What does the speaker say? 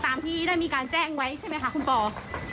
ตามที่ได้มีการแจ้งไว้ใช่ไหมคะคุณปอ